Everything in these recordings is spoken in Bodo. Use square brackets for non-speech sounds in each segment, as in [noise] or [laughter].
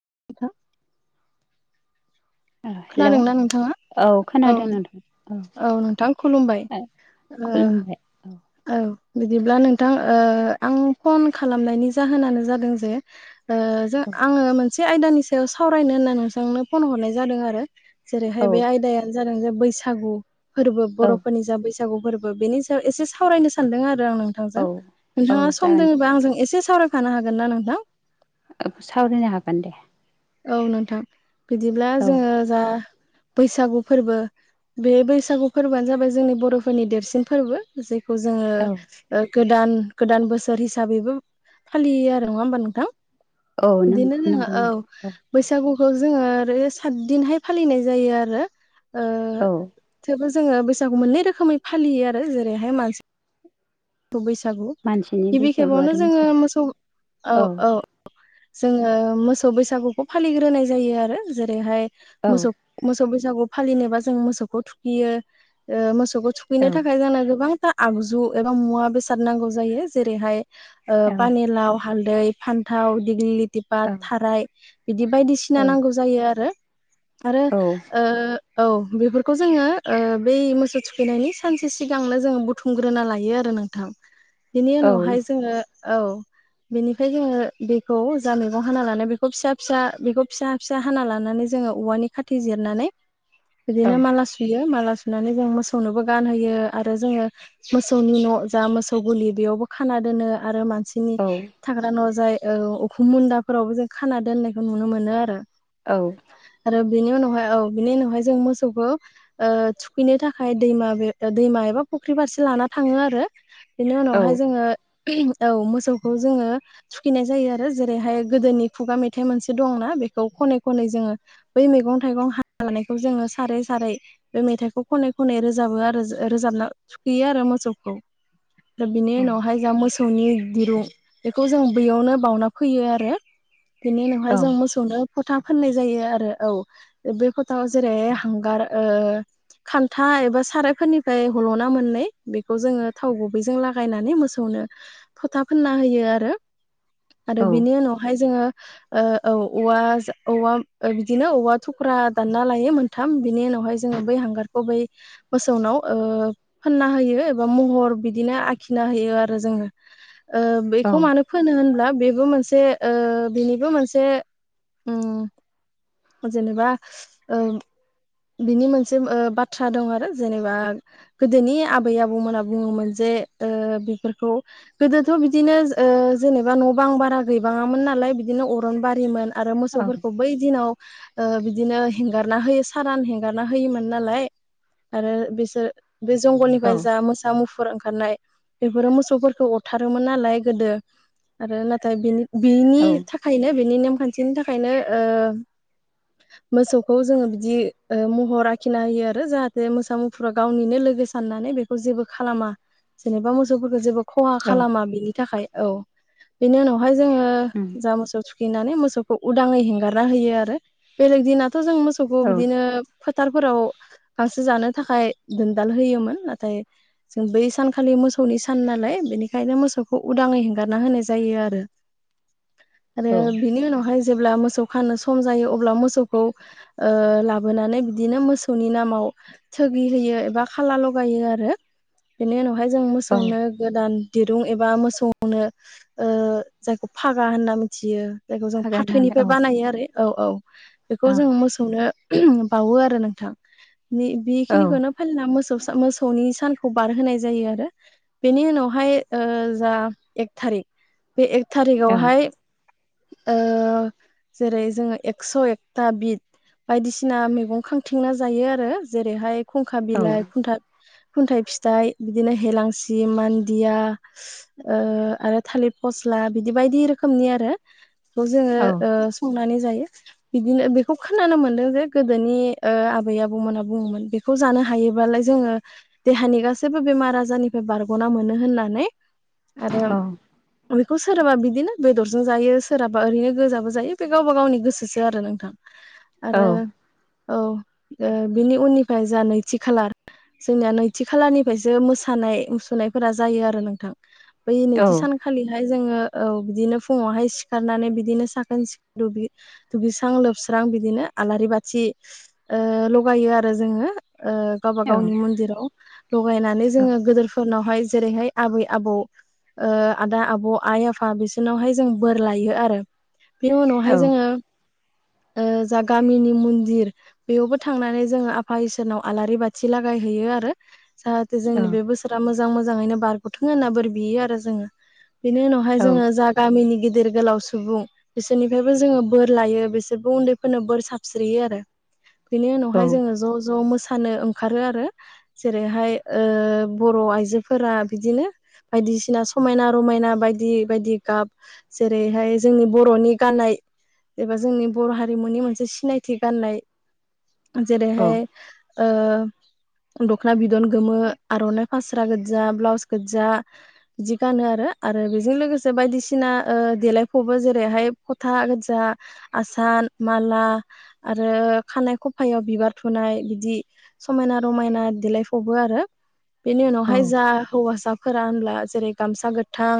[inaudible] ओ हेलौ खोनादोंना नोंथाङा औ औ नोंथां खुलुमबाय। ओ ओ औ बिदिब्ला नोंथां ओ आं फन खालामनायनि जाहोनानो जादों जे ओ जों आङो मोनसे आयदानि सायाव सावरायनो होनना नोंसांनो फन हरनाय जादों आरो जेरैहाय औ बे आयदायानो जादों जे बैसागु फोरबो औ बर'फोरनि जा बैसागु बैसागु फोरबो बेनि सायाव एसे सावरायनो सानदों आरो आं औ नोंथांजों औ नोंथाङा सम जागोन दे दोङोबा आंजों एसेस सावराय खानो हागोन ना नोंथां? सावरायनो हागोन दे। औ नोंथां बिदिब्ला औ जोङो जा बैसागु फोरबो बे बैसागु फोरबोआनो जाबाय जोंनि बर'फोरनि देरसिन फोरबो जेखौ औ जोङो गोदान गोदान बोसोर हिसाबैबो फालियो आरो नङा ओमबा नोंथां? औ नों बिदिनो नंगौ जोङा औ नोंथां बैसागुखौ जोङो आरो सातदिनहाय फालिनाय जायो आरो ओ औ थेवबो जोङो बैसागु मोननै रोखोमै फालियो आरो जेरैहाय मानसि बैसु मानसिनि गिबि बैसागु खेबावनो आरो जोङो मोसौ औ औ जोङो मोसौ बैसागुखौ फालिग्रोनाय जायो आरो जेरैहाय औ मोसौ मोसौ बैसागु फालिनोबा जों मोसौखौ थुखैयो मोसौखौ थुखैनो औ औ थाखाय जोंना गोबां आगजु एबा मुवा बेसाद नांगौ जायो जेरैहाय ओ औ पानिलााव हाल दै फान्थाव दिग्लि दिपा औ थाराय बिदि औ बायदिसिना नांगौ जायो। आरो आरो औ ओ औ बेफोरखौ जोङो ओ बै मोसौ थुखैनायनि सानसे सिगांनो जोङो बुथुमग्रोना लायो आरो नोंथां बेनि औ उनावहाय जोङो औ बेनिफ्राय जोङो बेखौ जा मैगं हाना लानाय बेखौ बेखौ फिसा फिसा बेखौ फिसा फिसा हाना लानानै जोङो औवानि खाथि जिरनानै बिदिनो औ माला सुयो माला सु होननानै जों मोसौनोबो गानहोयो आरो जोङो मोसौनि न' जा मोसौ गुलि बेयावबो खाना दो दोनो आरो मान बिसिनि थाग्रा न' जाय उखुम मुन्दाफोरावबो जों खाना दोननायखौ नुनो मोनो आरो औ आरो बेनि उनावहाय औ बिनि उनावहाय जों मोसौखो ओ थुखैनो थाखाय दैमा बे दैमा एबा फुख्रि फारसे लाना थाङो आरो बेनि उनावहाय जोङो औ मोसौखौ जोङो थुखैनाय जायो आरो जेरैहाय गोदोनि खुगा मेथाइ मोनसे दंना बेखौ खनै खनै जोङो बै मैगं थाइगं हाना लानायखौ जों सारै सारै सारै बे मेथाइखौ खनै खनै रोजाबो आरो रोजाबना थुखैयो आरो मोसौखौ दा बिनि उनावहाय जा मो सौनि दिरुं बेखौ जों बैयावनो बावना फैयो आरो बिनि उनावहाय जों मोसौनो फथा फोननाय जायो आरो औ बे फथाव जेरै हांगार‌ ओ खान्था एबा सारायफोरनिफ्राय हल'ना मोननै बेखौ जोङो थाव गुबैजों लागायनानै मोसौ फथा फोनना होयो आरो आरो बिनि उनावहाय जोङो ओ औ औआ औ आ औ बिदिनो औवा थुख्रा दानना लायो मोनथाम बिनि उनाव हाय‌ जोङो बै हांगारखौ बै मोसौनाव ओ फोना होयो एबा महर बिदिनो आ खिना होयो आरो जोङो ओ बेखौ मानो फोनो होनब्ला बेबो मोनसे ओ बेनिबो मोनसे उम‌ जेनेबा ओ बिनि मोनसे ओ बाथ्रा दं आरो जेनेबा गोदोनि आबै आबौमोना बुङोमोन जे जे ओ बेफोरखौ गोदोथ' बिदिनो ओ जेनेबा न' बां बारा गैबाङामोन नालाय बिदिनो अरन बारिमोन आरो मोसौफोरखौ बै दिनाव ओ बिदिनो हेंगारना होयो सारान हेंगारना होयोमोन नालाय आरो बिसोर बे जंगलनिफ्राय जा मोसा मुफु फोर ओंखारनाय बेफोरो मोसौफोरखौ अरथारोमोन नालाय गोदो आरो नाथाय बेनि बेनि थाखायनो बिनि नेमखान्थिनि थाखायनो ओ मोसौखौ जोङो बिदि महर आखिना होयो आरो जाहाथे मोसा मुफुरा गावनिनो लोगो सान नानै बेखौ जेबो खालामा जेनेबा मोसौफोरखौ जेबो खहा औ औ खालामा बिनि थाखाय औ बेनि उनावहाय जोङो उम जा मोसौ थुखैनानै मोसौखौ उदाङै हेंगारना होयो आरो बेलेग दिनाथ' जों मोसौखौ औ बिदिनो फोथारफोराव गांसो जानो थाखाय दोनदाल होयोमोन नाथाय जों बै सानखालि मोसौनि सान नालाय बेनिखायनो मोसौखौ उदाङै हेंगारना होनाय जायो आरो आरो औ बिनि उनावहाय जेब्ला मोसौ खानो सम जायो अब्ला मोसौखौ ओ लाबोनानै बिदिनो मोसौनि नामाव थोगि होयो एबा खाला लगायो आरो बिनि उनावहाय जों औ मोसौनो गोदान दिरुं एबा मोसौनो ओ जायखौ फागा होनना मिथियो जायखौ जों फागा लानानै फाथैनिफ्राय औ बानायो आरो औ औ बेखौ औ जोंङो मोसौनो बावो आरो नोंथां औ बेखिनिखौनो फालिना मोसौ मोसौनि सानखौ बारहोनाय जायो आरो बेनि उनावहाय ओ जा एक थारिक बे एक औ थारिकावहाय ओ जेरै जोङो एक्स' एकथा बिद बायदिसिना मैगं खांथिंना जायो आरो जेरैहाय खुंखा ओ बिलाइ खुन्था खुन्थाइ फिथाइ बिदिनो हेलांसि मान्दिया ओ आरो थालिर फस्ला बिदि बायदि रोखोमनि आरो बेखौ जोङो ओ संनानै जायो बिदिनो बेखौ खोनानो मोनदों जे गोदोनि ओ आबै आबौमोना बुङोमोन बेखौ जानो हायोबालाय जोङो देहानि गासैबो बेमार आजारनिफ्राय बारग'ना मोनो होननानै आरो बेखौ सोरबा बिदिनो बेदरजों जायो सोरहाबा ओरैनो गोजाबो जायो बे गावबा गावनि गोसोसो आरो नोंथां आरो औ बिनि उननिफ्राय जा नैथि खालार जोंनिया नैथि खालानिफ्रायसो मोसानाय मुसुरनायफोरा जायो आरो नोंथां बै नैथि सानखालिहाय जोङो औ बिदिनो फुङावहाय सिखारनानै बिदिनो साखोन सिखोन दुगै-दुगैस्रां लोबस्रां बिदिनो आलारि बाथि ओ ल'गायो आरो जोङो । ओ गावबा गावनि मन्दिराव ल'गायनानै जोङो गोदोरफोरनाव जेरैहाय आबै आबौ ओ आदा, आब, आइ, आफा बिसोरनावहाय जों बोर लायो आरो बेनि उनावहाय जोङो ओ जा गामिनि मन्दिर बेयावबो थांनानै जोङो आफा इसोरनाव आलारि बाथि लागायहैयो आरो जाहाथे जोंनि बे बोसोरा मोजां मोजाङैनो बारग'थों होनना बोर बियो आरो जोङो । बेनि उनावहाय जोङो जा मैनि गिदिर गोलाव सुबुं बिसोरनिफ्रायबो जोङो बोर लायो बिसोरबो उन्दैफोरनो बोर साबस्रियो आरो । बेनि उनावहाय जोङो ज' ज' मोसा सानो ओंखारो आरो जेरैहाय ओ बर' आइजोफोरा बिदिनो बायदिसिना समायना रमायना बायदि बायदि गाब जेरैहाय जोंनि बर'नि गाननाय एबा जोंनि बर' हारिमुनि मोनसे सिनायथि गाननाय जेरैहाय ओ दख'ना बिदन गोमो, आर'नाइ फास्रा गोजा, ब्लाउस गोज्जा इदि गानो आरो । आरो बेजों लोगो से बायदिसिना ओ देलायफावबो जेरैहाय फथा गोजा, आसान माला आरो खानाय खफायाव बिबार थुनाय बिदि समायना रमायना देलायफबो आरो बेनि उनावहाय जा हौवासाफोरा होनब्ला जेरै गामसा गोथां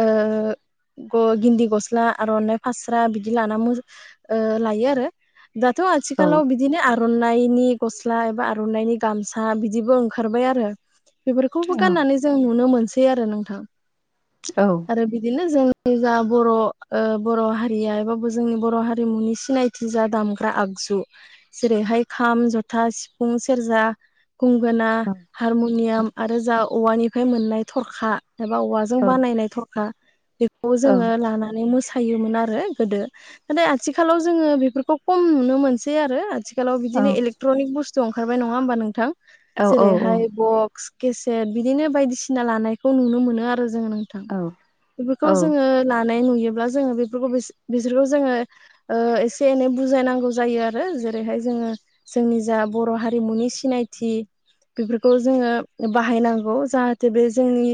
ओ ग'गिन्दि गस्ला, आर'नानाइ फास्रा बिदि लाना लायो आरो । दाथ' आथिखालाव बिदिनो आर'ना नायनि गस्ला एबा आर'नाइनि गामसा बिदिबो ओंखारबाय आरो बेफोरखौबो गाननानै जों नुनो मोनसै आरो नोंथां । आरो बिदिनो जों जा बर'ओ बर' हारिया एबा एबाबो जोंनि बर' हारिमुनि सिनायथि जा दामग्रा आग जु जेरैहाय खाम, जथा, सिफुं, सेरजा गुंगोना हारमुनियाम आरो जा औवानिफ्राय मोननाय थरखा एबा औवाजों बानायनाय थरखा बेखौ जोङो लानानै मोसा योमोन आरो गोदो नाथाय आथिखालाव जोङो बेफोरखौ खम नुनो मोनसै आरो आथि आथिखालाव बिदिनो इलेकट्रनिक बुस्थु ओंखारबाय नङा होमबा नोंथां जेरैहाय ब' बक्स केसेट बिदिनो बायदिसिना लानायखौ नुनो मोनो आरो जोंङो बेफोरखौ जोङो ला नाय नुयोब्ला जोङो बेफोरखौ बिसो-बिसोर जोङो ओ एसे एनै बुजायनांगौ जायो आरो । जेरैहाय जोङो जोंनि जा बर' हारिमुनि सिनायथि बेफोरखौ जोङो बाहायनांगौ जाहाथे बे जोंनि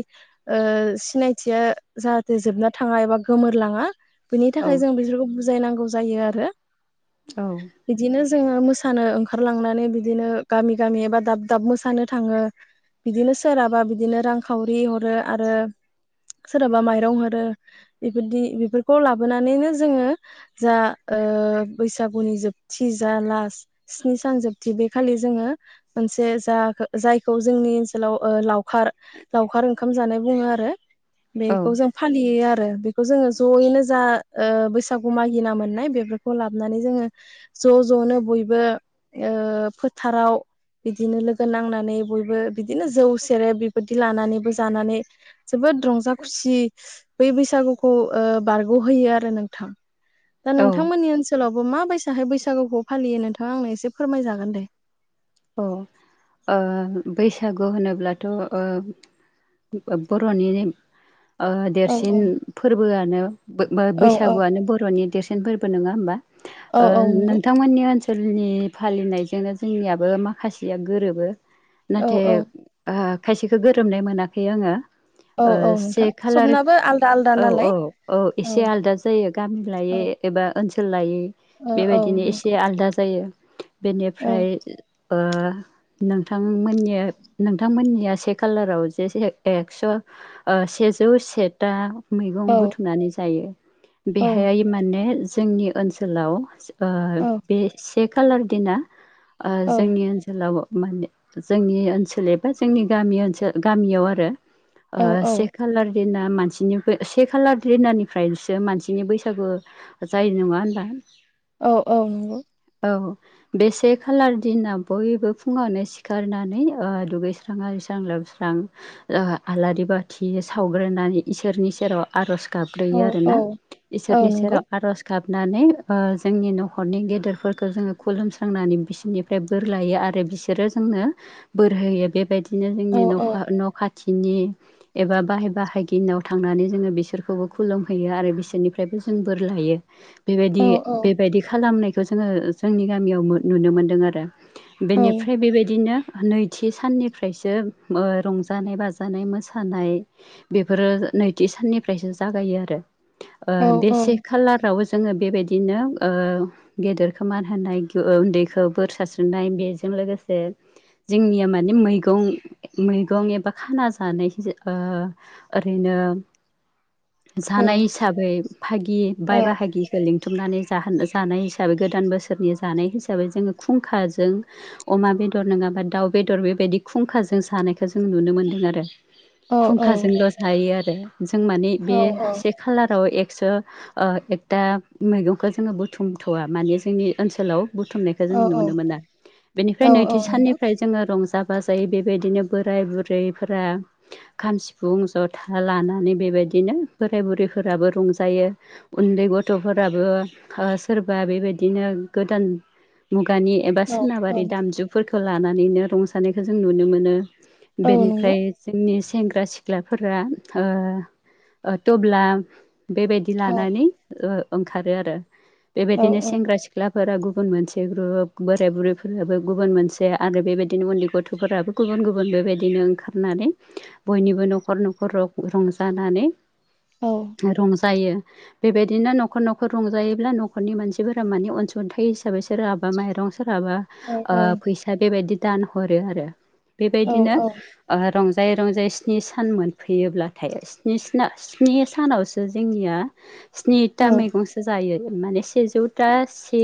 ओ सिनाय थिया जाहाथे जोबना थाङा एबा गोमोरलाङा बिनि थाखाय जों बिसोर बु बुजायनांगौ जायो आरो । औ जोङो मोसानो ओंखारलांनानै बिदिनो गामि गामि एबा दाब दाब मोसानो थाङो । बिदिनो सोरहाबा बिदिनो रांखावरि हरो आरो सोरहाबा माइरं हरो बेफोरदि बेफोरखौ लाबोनानैनो जोङो जा ओ बैसागुनि जोबथि जा लास्ट स्नि सान जोबथि बे खालि जोङो मोन नसे जा जायखौ जोंनि ओनसोलाव ओ लावखार लावखार ओंखाम जानाय बुङो आरो । बेखौ जों फालियो आरो बेखौ जोङो जयैनो जा ओ बैसागु मागिना मोननाय बेफोरखौ लाबोनानै जोङो ज' ज'नो बयबो ओ फोथाराव बिदिनो लोगो नांनानै बयबो बिदिनो जौ सेरेब बेफोरदि लानानैबो जानानै जोबोद रंजा खुसि बै बैसागुखौ ओ बारग'होयो आरो नोंथां । दा नोंथांमोननि ओनसोलाव मा बायसाहायै बैसागुखौ फालियो नोंथांआ आंनो एसे फोरमायजागोन दे अ ओ बैसागु होनोब्लाथ' ओ बा बर'नि नेम ओ औ देरसिन औ फोरबोआनो बो‌ बो औ औ बैसागुआनो बर'नि देरसिन फोरबो नंआ‌ होमबा? औ ओ औ नंगौ नोंथांमोननि ओनसोलनि फालिनायजोंनो जोंनिआ बो माखासेया गोरोबो औ नाथाय औ आह खायसेखौ गोरोमनाय मोनाखै आङो औ ओ औ से नोंथां खालार सबनाबो आलदा आलदा औ औ नालाय औ एसे आलदा जायो गामि औ लायै एबा ओनसोल सोलायै ओ औ बेबायदिनो एसे नंगौ आलदा जायो औ बेनिफ्राय ओ नोंथांमोननि नोंथांमोननिआ से खालाराव जे से हो एक्स' ओ सेजौ सेथा औ मैगं बुथुमनानै जायो औ बेहाय माने जोंनि ओनसोलाव ओ औ बे से खालार दिना ओ औ जोंनि ओनसोलाव मानि जोंनि ओनसोल एबा जोंनि गामि ओनसोल गामियाव आरो ओ से औ खालार दिना मानसिनिआओबो से खालार दिनानिफ्रायसो मानसिनि बैसागु जायो नङा होनबा? औ औ नंगौ औ बे से खालार दिना बयबो फुङावनो सिखारनानै ओ दुगैस्रां आरिस्रां लोबस्रां ओ आलारि बाथि सावग्रोनानै इसोरनि सेराव आर'ज औ गाबग्रोयो औ आरोना औ इसोरनि नंगौ सेराव आर'ज गाब नानै ओ जोंनि न'खरनि गेदेरफोरखौ जोङो खुलुमस्रांनानै बिसिनिफ्राय बोर लायो आरो बिसोरो जोंनो बोर होयो बेबायदि दिनो औ जोंनि औ न'खा न'खा थिनि एबा बाय बाहागिनाव थांनानै जोङो बिसोरखौबो खुलुम हैयो आरो बिसोरनिफ्रायबो जों बोर लायो औ बेबादि औ बेबादि खालामनायखौ जोङो जोंनि गामियाव मो नुनो मोनदों आरो औ बेनिफ्राय बेबायदिनो नैथि साननिफ्रायसो ओ रंजानाय बाजानाय मोसानाय बेफोरो नैथि साननिफ्रायसो जागायो आरो ओ औ बे से खालाराव जोङो बेबादिनो ओ गेदेरखौ मान होनाय गो उन दैखौ बोर सारस्रिनाय बेजों लोगोसे जोंनिया मानि मैगं मैगं एबा खाना जानाय ओ ओरैनो [inaudible] जानाय हिसाबै भागिह औ बाय बाहागिखौ लिं थुमनानै जाहोनो जानाय हिसाबै गोदान बोसोरनि जानाय हिस साबै जोङो खुंखाजों अमा बेदर नोंआबा दाउ बेदर बेबायदि खुंखाजों जानाय खौ जों नुनो मोनदों आरो औ औ खुंखाजोंल' नंगौ जायो आरो जों मानि औ बे से खालाराव एक सो ओ एकथा मैगंखौ जोङो बुथुमथ'वा मानि जोंनि ओनसोलाव बुथुमनायखौ जोङो नुनो औ मोना बेनिफ्राय औ नैथि नंगौ औ साननिफ्राय जोङो रंजा बाजायै बेबायदिनो बोराय बुरैफोरा खाम सिफुं जथा लानानै बेबायदि दिनो बोराय बुरैफोराबो रंजायो उन्दै गथ'फोराबो ओ सोरबा बेबा बिदिनो गोदान मुगानि एबा औ सोनाबारि औ दामजुफोरखौ लानानैनो रंजानायखौ जों नुनो मोनो औ बेनिफ्राय जोंनि सेंग्रा सिख्लाफोरा ओ ओ थ'ब्ला बेबायदि लानानै ओ ओंखारो आरो बेबायदिनो औ सेंग्रा सिख्लाफोरा गु गुबुन मोनसे ग्रुप बोराय बुरैफोराबो गुबुन मोनसे आरो बेबायदिनो उन्दै गथ'फोराबो गुबुन गुबुन बेबायदिनो ओंखारनानै बयनिबो न'खर न'खर र रंजानानै रंजायो। बेबायदिनो न'खर न'खर रंजायोब्ला न'खरनि मानसि फोरा मानि अनसुंथाइ हिसाबै सोरहाबा माइरं सोरहाबा ओ फैसा बेबायदि दान हरो आरो। औ बेबायदिनो औ ओ रं जाय रंजायै स्नि सान मोनफैयो ब्लाथाय स्नि स्ना स्नि सानावसो जोंनिया स्नि था औ मैगंसो जायो माने सेजौ था से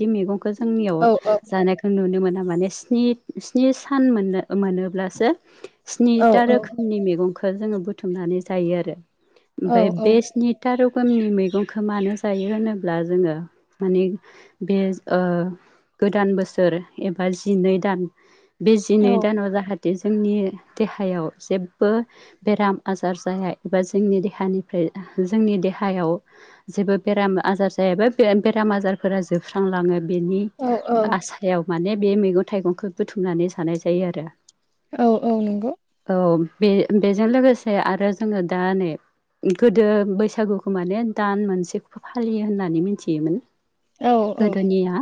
बिदि मैगंखौ जोंनियाव जानायखौ नुनो मोना माने स्नि स्नि सान मोननो मोनोब्लासो स्नि था रोखोमनि मैगंखौ जोङो बुथुमनानै जायो आरो। आफ्राय बे स्नि था र खोमनि मैगंखौ मानो जायो होनोब्ला जोङो माने बे ओ गोदान बोसोर एबा जिनै दान बे जिनै दानाव जाहाथे जोंनि देहायाव जेबो बेराम आजार जाया एबा जोंनि देहानिफ्राय जोंनि देहायाव जेबो बेराम आजार जाया बा बेराम आजार फोरा जोबस्रांलाङो बेनि आसायाव माने बे मैगं थाइगंखौ बुथुमनानै जानाय जायो आरो। औ औ नंगौ। औ बे बेजों लोगोसे आरो जोङो दा नै गोदो बैसागुखौ माने दान मोनसे फालियो होननानै मिथियोमोन। औ औ गोदोनिया